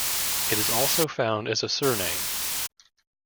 It is also found as a surname.